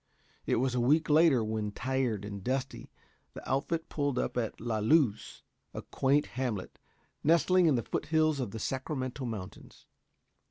It was a week later, when, tired and dusty, the outfit pulled up at La Luz, a quaint hamlet nestling in the foothills of the Sacramento Mountains.